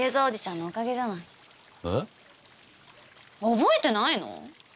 覚えてないの？